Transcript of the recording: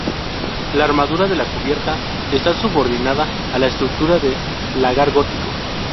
La armadura de la cubierta, está subordinada a la estructura de lagar gótico.